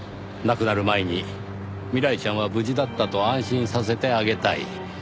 亡くなる前に未来ちゃんは無事だったと安心させてあげたい。